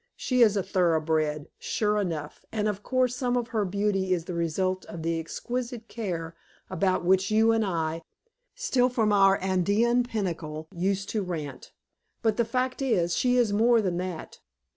She is a thoroughbred, sure enough, and of course some of her beauty is the result of the exquisite care about which you and I still from our Andean pinnacle used to rant. But the fact is, she is more than that.